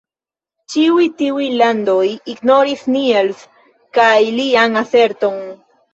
Ĉiuj tiuj landoj ignoris Niels kaj lian aserton.